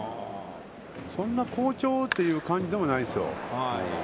そんな好調という感じでもないですよ